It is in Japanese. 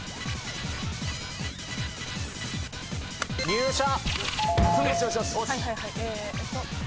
入社。